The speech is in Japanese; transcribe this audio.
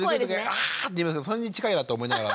「アァッ！」って言いますけどそれに近いなって思いながら。